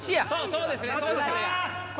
そうですね。